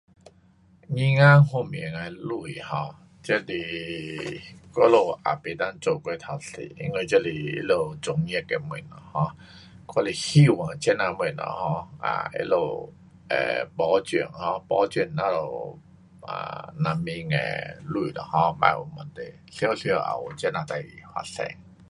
银行方面的钱 um 这是我们也不能做过头多，因为这是他们专业的东西 um 我是希望这样东西 um 啊他们会保障 um，保障咱们人民的钱咯 um，别有问题，常常也有这样事情发生。